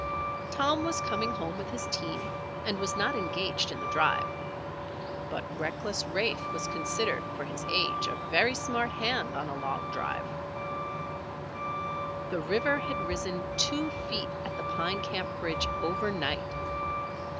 Tom was coming home with his team and was not engaged in the drive. But reckless Rafe was considered, for his age, a very smart hand on a log drive. The river had risen two feet at the Pine Camp bridge overnight.